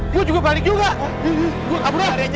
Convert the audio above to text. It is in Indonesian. bu juga balik juga